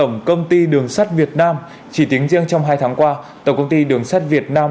tổng công ty đường sắt việt nam chỉ tính riêng trong hai tháng qua tổng công ty đường sắt việt nam